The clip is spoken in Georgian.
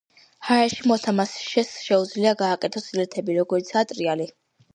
ჰაერში მოთამაშეს შეუძლია გააკეთოს ილეთები როგორიცა ტრიალი.